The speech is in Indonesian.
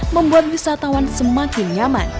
membuat wisatawan semakin nyaman